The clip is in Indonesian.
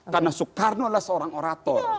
karena soekarno adalah seorang orator